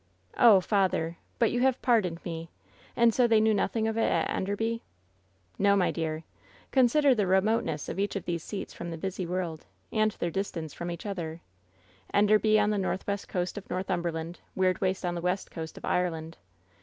" *0h, father ! But you have pardoned me I And so they knew nothing of it at Enderby V " 'No, my dear. Consider the remoteness of each of these seats from the busy world, and their distance from each other — Enderby on the northwest coast of North umberland — ^Weirdwaste on the west coast of Ireland.